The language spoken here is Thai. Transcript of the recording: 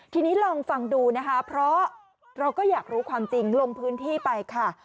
ทีนี้ลองฟังดูนะคะเพราะเราก็อยากรู้ความจริงลงพื้นที่ไปค่ะ